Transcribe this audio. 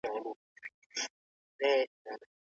ايا حضوري ټولګي د دودیزو زده کړو چاپیریال ساتي؟